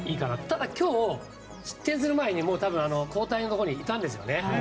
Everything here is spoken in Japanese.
ただ、今日、失点する前に多分、交代のほうにいたんですよね。